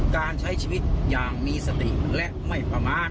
การใช้ชีวิตอย่างมีสติและไม่ประมาท